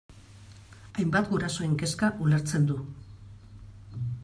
Hainbat gurasoren kezka ulertzen du.